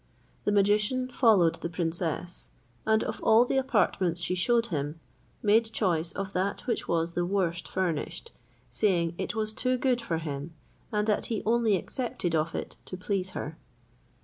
The magician followed the princess, and of all the apartments she shewed him, made choice of that which was the worst furnished, saying it was too good for him, and that he only accepted of it to please her.